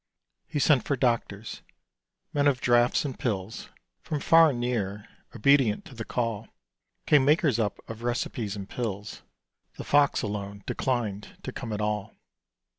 He sent for doctors men of draughts and pills; From far and near, obedient to the call, Came makers up of recipes and pills: The Fox alone declined to come at all.